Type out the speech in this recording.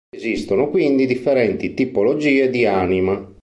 Esistono quindi differenti tipologie di anima.